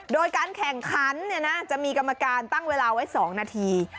โดยการแข่งขันจะมีกรรมการตั้งเวลาไว้๒นาที